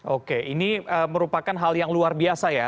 oke ini merupakan hal yang luar biasa ya